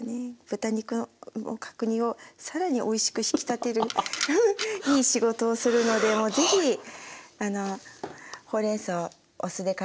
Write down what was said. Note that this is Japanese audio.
豚の角煮を更においしく引き立てるいい仕事をするのでぜひほうれんそうお酢でからめたもの添えて下さい。